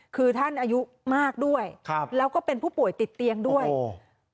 คือท่านอายุมากด้วยครับแล้วก็เป็นผู้ป่วยติดเตียงด้วยโอ้